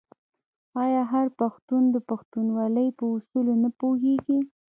آیا هر پښتون د پښتونولۍ په اصولو نه پوهیږي؟